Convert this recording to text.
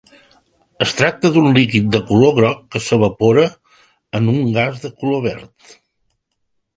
Es tracta d'un líquid de color groc que s'evapora en un gas de color verd.